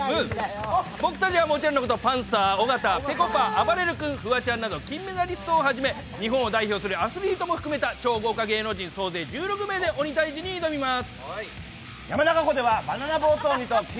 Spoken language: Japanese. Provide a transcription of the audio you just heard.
僕たちはもちろんのこと、パンサー・尾形、ぺこぱ、あばれる君、フワちゃんなど金メダリストをはじめ日本を代表するアスリートも含めた超豪華芸能人、総勢１６名で「鬼タイジ」に挑みます。